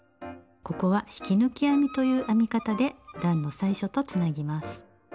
ここは引き抜き編みという編み方で段の最初とつなぎます。